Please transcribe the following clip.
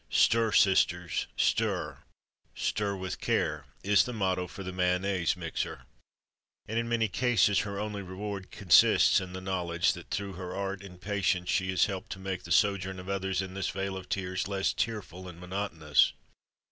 "Stir, sisters, stir, Stir with care!" is the motto for the Mayonnaise mixer. And in many cases her only reward consists in the knowledge that through her art and patience she has helped to make the sojourn of others in this vale of tears less tearful and monotonous.